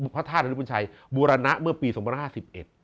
พระท่านหลิปุ่นชัยบูรณะเมื่อปีสองพันห้าสิบเอ็ด